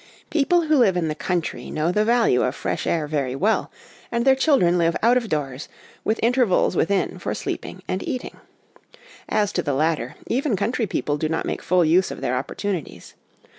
People who live in the country know the value of fresh air very well, and their children live out of doors, with intervals within for sleeping and eating. As to the latter, even country people do not make full use of their opportunities.